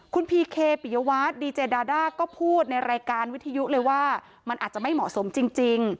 คุณพีเคปิยวัตรดีเจดาด้าก็พูดในรายการวิทยุเลยว่ามันอาจจะไม่เหมาะสมจริง